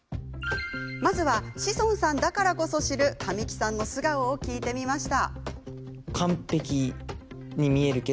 まずは志尊さんだからこそ知る神木さんの素顔を聞いてみました。